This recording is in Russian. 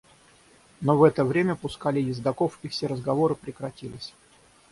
Но в это время пускали ездоков, и все разговоры прекратились.